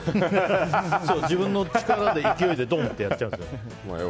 自分の力で、勢いでドンってやっちゃう。